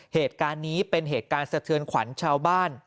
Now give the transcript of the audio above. เหตุการณ์นี้เป็นเหตุการณ์สะเทือนขวัญชาวบ้าน